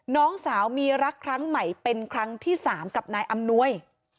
น้องสาวมีรักครั้งใหม่เป็นครั้งที่๓กับนายอำนวย